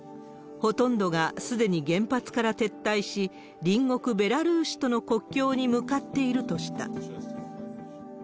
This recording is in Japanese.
ほとんどがすでに原発から撤退し、隣国ベラルーシとの国境に向かっているとした。